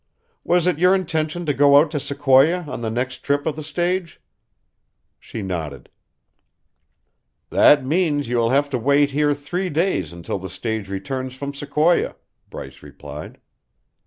"Was it your intention to go out to Sequoia on the next trip of the stage?" She nodded. "That means you will have to wait here three days until the stage returns from Sequoia," Bryce replied.